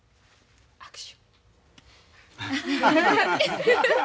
握手。